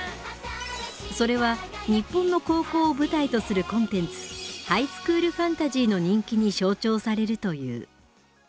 それは日本の高校を舞台とするコンテンツ「ハイスクールファンタジー」の人気に象徴されるという。